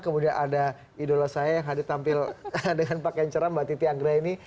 kemudian ada idola saya yang hadir tampil dengan pakaian ceram mbak titi anggraini